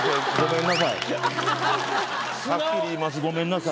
はっきり言いますごめんなさい。